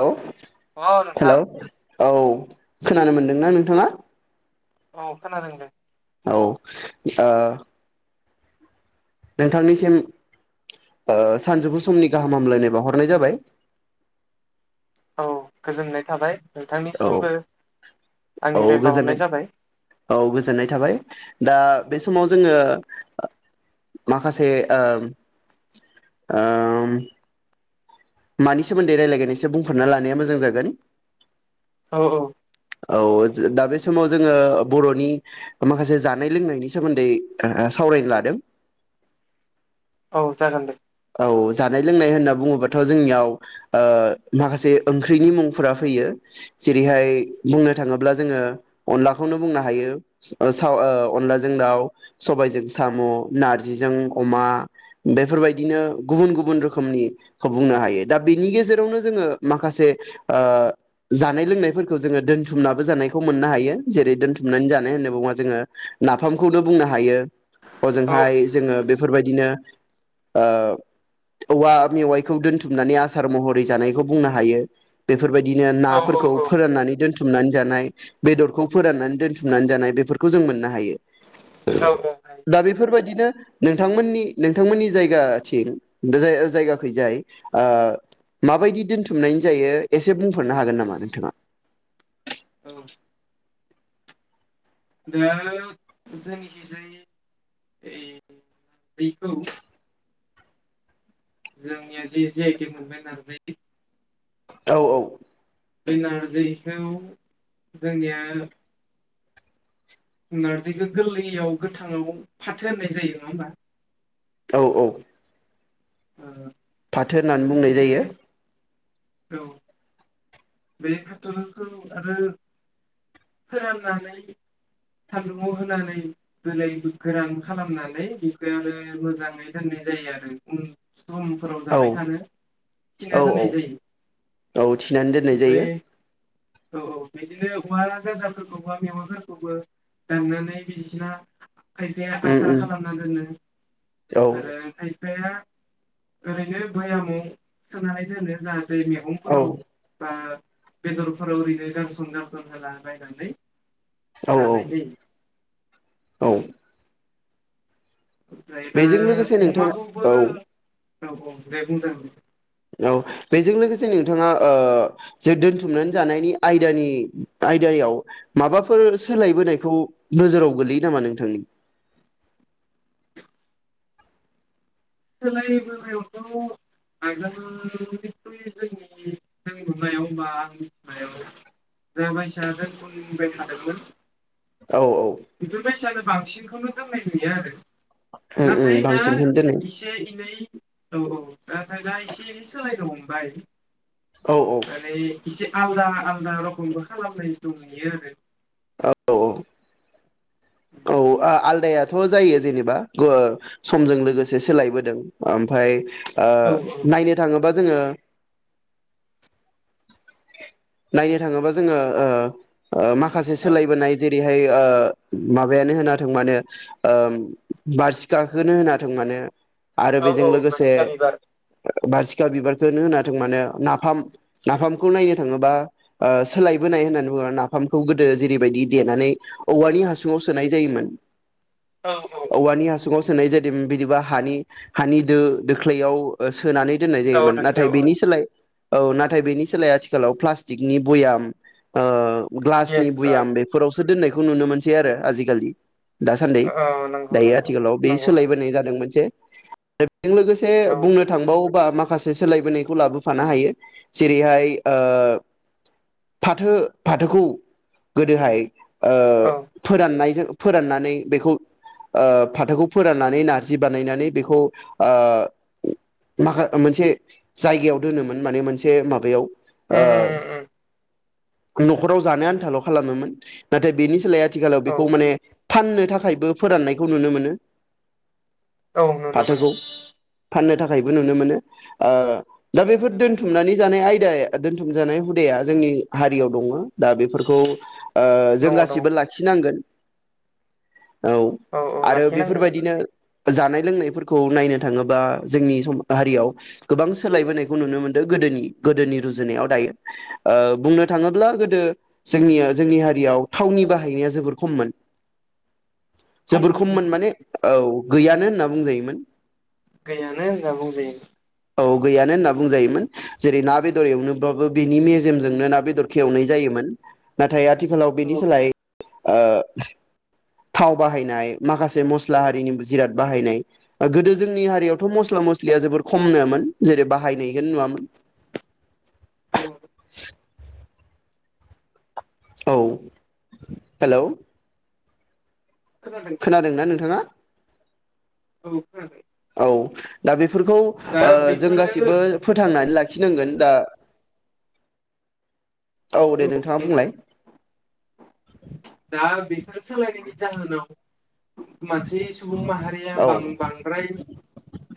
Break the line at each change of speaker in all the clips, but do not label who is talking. Hello
औ नोंथां।
औ खोनानो मोनदोंना नोंथाङा?
औ खोनादों दे।
औ, ओ नोंथांनिसिम ओ सानजौफु समनि गाहाम हामलायनाय बावाहरनाय जाबाय।
औ गोजोननाय थाबाय।
औ
नोंथांनिसिमबो
औ
आंनिफ्राय बावहरनाय
गोजोननाय
जाबाय
औ गोजोननाय थाबाय। दा बे समाव जोङो ओ माखासे ओम ओम मानि सोमोन्दै रायलायगोन एसे बुंफोरना लानाया मोजां जागोन।
औ औ।
औ जो दा बे समाव जोङो बर'नि माखासे जानाय लोंनायनि सोमोन्दै सावरायनो लादों।
औ जागोन दे।
औ जानाय लोंनाय होनना बुङोबाथ' जोंनियाव ओ माखासे ओंख्रिनि मुंफोरा फैयो। जेरैहाय बुंनो थाङोब्ला जोङो अनलाखौनो बुंनो हायो सा अनलाजों दाउ सबायजों साम' नारजिजों अमा बेफोरबाय दिनो गुबुन गुबुन रोखोमनिखौ बुंनो हायो। दा बेनि गेजेरावनो जोङो माखासे आ जानाय लोंनायफोरखौ जोङो दोनथुमनाबो जानायखौ मोननो हायो। जेरै दोनथुमनानै जानाय होननानै बुंबा जोङो नाफामखौनो बुंनो हायो।
औ
हजोंहाय जोङो बे बेफोरबायदिनो ओ औवा मेवाइखौ दोनथुमनानै आसार महरै जानायखौ बुंनो हायो। बे फोरबायदिनो
औ
नाफोरखौ
औ औ
फोराननानै दोनथु थुमनानै जानाय, बेदरखौ फोराननानै दोनथुमनानै जानाय, बेफोरखौ जों मोननो हायो।
औ औ
दा
हायो।
बेफोरबायदिनो नोंथांमोननि नोंथांमोननि जायगाथिं जाय-जायगाखैजाय आ माबायदि दोनथुमनायनि जायो एसे बुंफोरनो हागोन नामा नोंथाङा?
औ दा जोंनिखिसायो बेखौ जोंनिया जि जि आइटि मोननाय नारजि
औ औ।
बे नारजिखौ जोंनिया नारजिखौ गोरलैयाव गोथाङाव फाथो होननाय जायो नङा होमबा?
औ औ।
ओ
फाथो होननानै बुंनाय
बे
जायो।
औ। बे फाथोखौ आरो फोराननानै सान्दुंआव होनानै गोलै गोरान खालामनानै बेखौ आरो मोजाङै दोननाय जायो आरो उन समफोराव
औ
जाबाय थानो थिना
औ औ
दोननाय जायो
औ थिनानै दोननाय जायो
ओमफ्राय औ औ। बेदिनो ओवा गोजाफोरखौ बा मेवाफोरखौबो दांनानै बिदिना खायफाया
उम
आसार
उम
खालामना दोनो
औ
आरो खायफाया ओरैनो बयामाव सोनानै दोनो जा जै
औ
मैगंफोराव बा बेदरफोराव ओरैनो गारसन गारसन होना बाय नानै
औ
जानाय जायो।
औ।
ओमफ्राय दा
बेजों लोगोसे नोंथाङा
अमाखौबो औ औ दे बुंजागोन।
औ बेजों लोगोसे नोंथाङा ओ जे दोनथुमनानै जानायनि आयदानि आयदायाव माबाफोर सोलायबोनायखौ नोजोराव गोलैयो नामा नोंथांनि
सोलायबोनायावथ' आगोल जोंनि जों नुनायाव बा आं मिथिनायाव जा बायसाया दोनथोमबाय थादोंमोन
औ
बिफोर बासया बांसिनखौनो दोननाय नुयो आरो
उम
नाथाय
उम
दा
बांसिनखौनो दोनो
एसे एनै औ औ दा दा एसे एनै सोलायनो हमबाय।
औ
माने इसे आलदा आलदा रखमबो खालामनाय दं नुयो आरो।
औ औ। औ आलदायाथ' जायो जेनेबा समजों लोगोसे सोलायबोदों ओमफ्राय ओ
आरो औ
नायनो थाङोबा जोङो नायनो थाङोबा जोङो ओ माखासे
औ
सोलायबोनाय जेरै बिहाय ओ माबायानो होनाथों माने ओम बारसिखाखोनो होनाथों मानो आरो
औ औ
बेजों लोगोसे
बासिखा बिबार
बारसिखा बिबारखौनो होनाथों मानो नाफाम नाफामखौ नायो थांङोबा सोलायबोनाय होननानै बुंङो आरो नाफामखौ गोदो जैरैबायदि देनानै औवानि हासुं सुङाव सोनाय जायोमोन।
औ औ औ।
औवानि हासुङाव सोनाय जादोंमोन बिदाबा हानि हानि दो जोख्लैयाव होनोनानै दोननाय
औ औ
जायोमोन।
दाख्लै
नाथाय
औ औ
बिनि सोलाय औ नाथाय बेनि सोलाय आथिखालाव प्लास्टिकनि भयाम ओ ग्लासनि
येस ओ
भुयाम बेफोरावसो दोननाय खौ नुनो मोन सै आरो आजिखालि। दासान्दि
ओ नंगौ
दायो
नंगौ
आथिखालाव बे
नंगौ नंगौ
सोलायबोनाय जादों मोनसे। बेजों लोगोसे
औ
बुंनो थांबावो बा माखासे सोलायबोनायखौ लाबोफानो हायो जेरैहाय फाथो फाथोखौ गोदोहाय ओ
औ।
फोराननायजों फोराननानै बेखौ ओ फाथोखौ फोराननानै नारजि बानायनानै बेखौ आ माखा मोनसे जायगायाव दोनोमोन माने मोनसे माबायाव आ
उम उम उम
न'खराव जानो आन्थाल' खालामोमोन। नाथाय बेनि सोलाय आ थि गाल
औ
बेखौ माने फाननो थाखायबो फोराननायखौ नुनो मोनो।
औ नुनो मोनो।
फाथोखौ फाननो थाखायबो नुनो मोनो। आ दा बेफोर
दङ
दोनथुमनानै जानाय आयदा दोनथुम जानाय हुदाया जोंनि हारियाव दङ। दा बेफोरखौ ओ जों
दङ
गासिबो
औ
लाखि नांगोन। औ
औ
आरो
लाखिनांगोन
बेफोरबायदिनो जानाय लोंनायफोरखौ नायनो थाङोबा जोंनि सम हारियाव गोबां सोलायबोनायखौ नुनो मोनदों गोदोनि गोदोनि रुजुनायाव दायो। ओ बुंनो थाङोब्ला गोदो जोंनि जोंनि हारियाव थावनि बा हायनाया जोबर खमोन। जोबोर खममोन माने औ। गैयानो होनना बुंजायोमोन।
गैयानो होना बुंजायो।
औ गैयानो होनना बुंजायोमोन जेरै ना बेदर एवनोबाबो बिनि मेजेमजोंनो ना बेदर खेवनाय जायोमोन। ना नाथाय आथिखालाव
औ
बेनि सोलाय। ओ थाव बाहायनाय माखासे मस्ला हारिनि जिराद बाहायनाय गोदो जोंनि हारियावथ' मस्ला मस्लिया जोबोर खमनोमोन जेरै बाहायनायखौनो नुवामोन। औ हेलौ। खोनादों ना नोंथाङा?
औ खोनादों।
औ दा बे फोरखौ
दा
ओ जों
बेफोरो
गासिबो फोथांनानै ला खिनांगोन दा। औ दे नोंथाङा बुंलाय।
दा बेफोर सोलायनायनि जाहोनाव मानसे सुबुं माहारिया
औ
बां-बांद्राय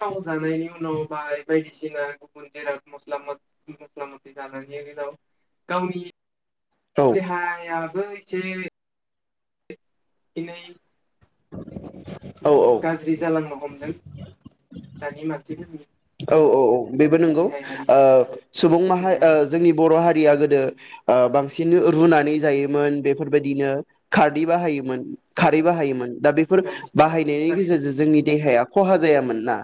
थाव जानायनि [unintelligible] बायदिसिना गुबुन जेराद मस्ला मस्ला [unintelligible] गावनि।
औ
देहाया [unintelligible] दिनै
औ औ
गाज्रि जालांनो हमदों। दानि मानसिफोरनि
औ औ औ बेबो नंगौ
देहायारि
ओ सुबुं माहारि ओ
जौगाया
जोंनि बर' हारि या गोदो ओ बांसिन रुनानै जायोमोन बेफोरबायदिनो खारदै बाहायोमोन।
औ
खारै बाहायोमोन दा बेफोर
औ
बाहायनायनि
थारैनो
गेजेरजों जोंनि देहाया। खहा जायामोन ना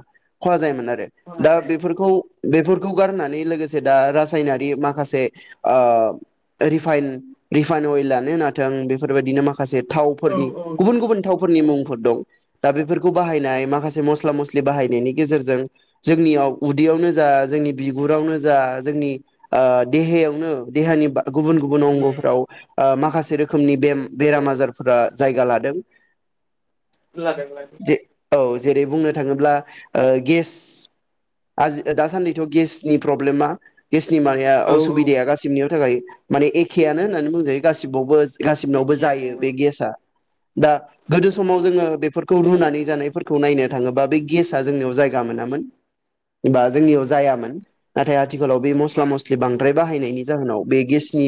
खहा जायोमोन आरो।
खहा
दा
जाया
बेफोरखौ बेफोरखौ गारनानै लोगोसे दा रासायनारि माखासे ओ रिफाइन रिफाइन अइलानो होनाथों बेफोरबायदिनो मा खासे
औ
थावफोरनि
औ
गुबुन गुबुन थाव फोरनि मुंफोर दं दा बेफोरखौ बाहायनाय माखासे मस्ला मस्लि बाहायनायनि गेजेरजों जोंनियाव उदैयावनो जा जोंनि बिगुरावनो जा जोंनि ओ देहायावनो देहानि बा गुबुन गुबुन अंगफ्राव ओह माखासे रो खोमनि बेम बेराम आजारफोरा जायगा लादों।
लादों लादों।
जे औ जेरै बुंनो थाङोब्ला ओ गेस आजि दासान्दिथ' गेसनि प्रब्लेमा गेसनि मानाया
औ औ
असुबिदाया गासि [unintelligible] थाखाय माने एखेआनो होननानै बुंजायो गासिबावबो गासिबनावबो
एखेयानो
जायो बे गेसआ। दा गोदो समाव जोङो बेफोरखौ रुनानै जानायफोरखौ नायनो थाङोबा बे गेसा जोंनियाव जायगा मोनामोन एबा जोंनियाव जायामोन आथाया थिखालाव बे मस्ला
मोनाम
मस्लि बांद्राय बाहायनायनि जाहोनाव बे गेसनि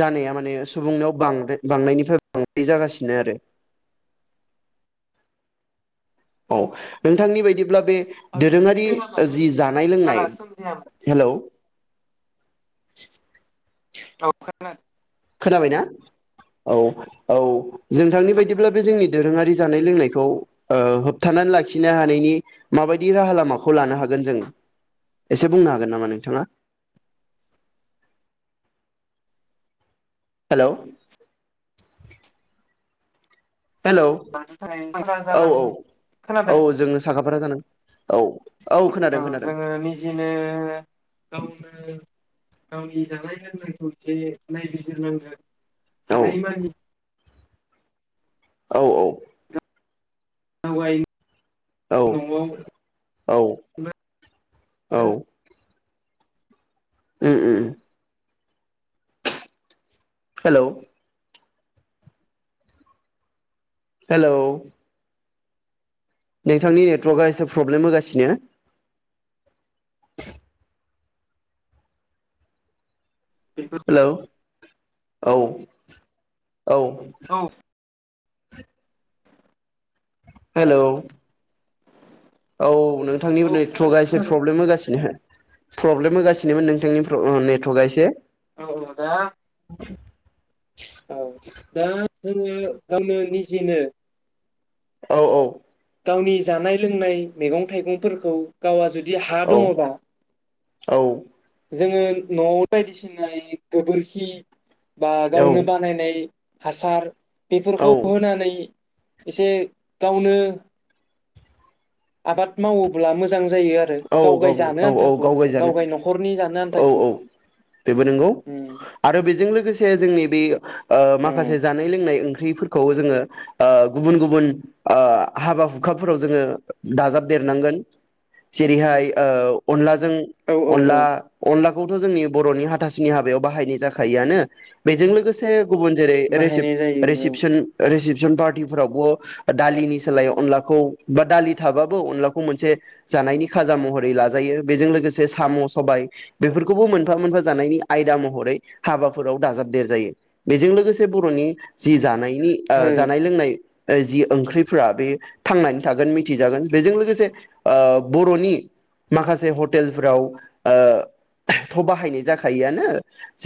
जानाया माने सुबुंनाव बांदो बांनायनिफ्राय बांद्राय जागासिनो आरो औ नोंथांनि बाय [unintelligible] बे
आगोलथ'
दोरोङारि
बेरामानो
जि जानाय लोंनाय
बारा सोमजियामोन
हेल' [inaudible]
[unintelligible]
खोनाबायना? औ। औ जोंथांनि
औ
बायदिब्ला
खोनादों
बे जोंनि दोरोङारि जानाय लोंनायखौ ओ होबथानानै लाखिनो हानायनि माबायदि राहा लामाखौ लानो हागोन जों एसे बुंनो हागोन नामा नोंथाङा? हेल'
[unintelligible]
औ औ औ
खोनादों
जोङो साखाफारा जानां औ
औ
खोनादों खोनादों
जोङो निजिनो गावनो गावनि जानाय लोंनायखौ एसे नायबिजिरनांगोन
औ
हानायमानि
औ औ
आवगायो
औ
न'आव
औ
[unintelligible] [unintelligible]
ओह ओह ओह हेलौ हेलौ नोंथांनि नेटवर्कआ एसे प्रब्लेम होगासिनो
बेफोर
हेलौ औ औ
औ
[inaudible] हेलौ औ नोंथांनि
औ खोनादों
नेटवर्कआ एसे
खोनादों
प्रब्लेम होगासिनो प्रब्लेम होगासिनोमोन नोंथांनि नेटवर्कआ एसे
औ दा
[inaudible]
औ दा जोंङो गावनो निजिनो
औ औ
गावनि जानाय लोंनाय मैगं थाइगंफोरखौ गावा जुदि बिदि हा
औ
दङबा
औ
जोंङो नआव बायदिसिना गोबोरखि बा
औ
गावनो बानायनाय हासार
औ
बेफोरखौ होनानै एसे गावनो आबाद मावोब्ला मोजां जायो आरो
औ
गावगाय
गावनो
जानो
औ औ
आन्थाखौ
गावगायजानो
गावगाय न'खरनि जानो
औ
आन्थाखौ
औ बेबो नंगौ
उम
आरो बेजों लोगो से जोंनि बे ओ
औ
माखासे जानाय लोंनाय ओं ओंख्रिफोरखौबो जोंङो ओ गुबुन गुबुन ओ हाबा हुखाफोराव जोंङो दाजाबदेरनांगोन जेरैहाय ओ अनला जों
औ औ औ
अनला-अनला खौथ जोंनि बरनि हाथासुनि हाबायाव बाहायनाय जाखायोआनो बेजों लोगोसे गुबुन जेरै
बाहायनाय जायो औ
रिसिफ-रिसिफसन-रिसिफ जन पार्टिफोरावबो दालिनि सोलाय अनलाखौ बा दालि थाबाबो अनलाखौ मोनसे जानायनि खाजा महरै लाजायो बेजों लोगोसे साम' सबाय बेफोरखौबो मोनफा-मोनफा जानायनि आयदा महरै हाबाफोराव दाजाबदेर जायो बेजों लोगोसे बर'नि जि जानाय नि ओ
हो
जानाय लोंनाय जि ओंख्रिफोरा बे थांनानै थागोन मिथिजागोन बेजों लोगोसे ओ बर'नि माखासे हटेलफ्राव ओ थ बाहायनाय जाखायोआनो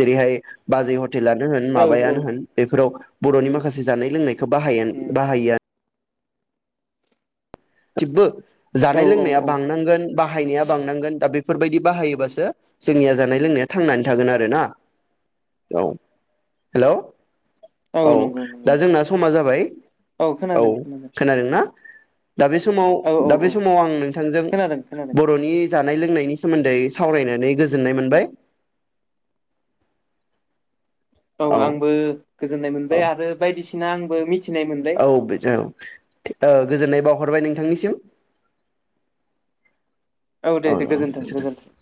जेरैहाय बाजै ह टेलानो होन
औ
माबायानो होन बेफोराव बर'नि माखासे जानाय लोंनाय खो बाहायोन-बाहायो [unintelligible]
औ
जानाय लोंनाया
औ
बांनांगोन बाहायनाया बांनांगोन दा बेफोरबायदि बाहायोबासो जोंनिया जानाय लोंनाया थांनानै थागोन आरोना औ हेलौ औ दा जोंना समा जाबाय औ
खोनादों खोनादों
खोनादोंना दा बे समाव
औ
दा बे
औ
समाव आं नोंथांजों
खोनादों खोनादों
बर'नि जानाय लोंनायनि सोमोन्दै सावरायनानै गोजोननाय मोनबाय।
औ आंबो गोजोननाय
औ
मोनबाय आरो बायदिसि ना आंबो मिथि
औ बेजो औ ओ गोजोननाय बावहरबाय नोंथांनिसिम
औ दे दे गोजोन्थों गोजोन्थों